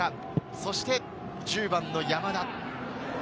そして１０番の山田。